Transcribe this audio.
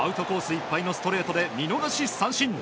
いっぱいのストレートで見逃し三振。